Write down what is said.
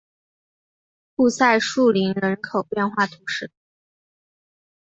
库赛树林人口变化图示